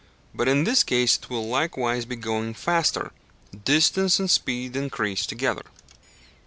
But in this case it will likewise be going faster distance and speed increase together.